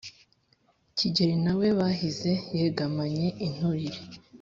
kigeri na we bahize yegamanye inturire